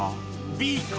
Ｂか？